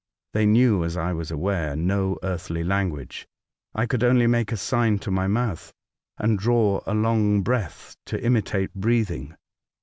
They knew, as I was aware, no earthly language. I could only make a sign to my mouth, and draw a long breath to imitate breathing.